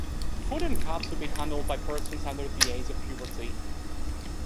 Food and cups should be handled by persons under the age of puberty.